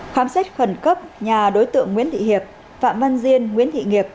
khám xét khẩn cấp nhà đối tượng nguyễn thị hiệp phạm văn diên nguyễn thị nghiệp